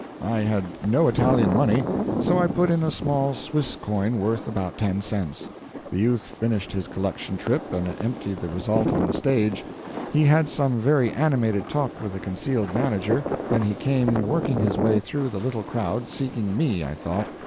I had no Italian money, so I put in a small Swiss coin worth about ten cents. The youth finished his collection trip and emptied the result on the stage; he had some very animated talk with the concealed manager, then he came working his way through the little crowd seeking me, I thought.